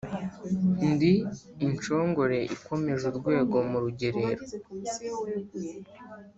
Ndi Inshongore ikomeje urwego mu rugerero